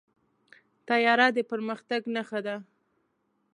طیاره د پرمختګ نښه ده.